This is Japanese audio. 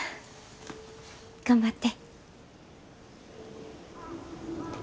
頑張って。